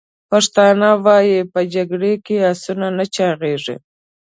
پښتانه وایي: « په جګړه کې اسونه نه چاغیږي!»